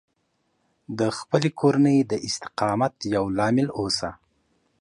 د خپلې کورنۍ د استقامت یو لامل اوسه